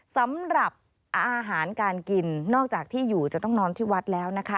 สำหรับอาหารการกินนอกจากที่อยู่จะต้องนอนที่วัดแล้วนะคะ